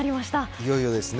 いよいよですね。